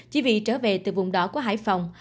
chỉ vì trở về từ vùng đỏ của hải phòng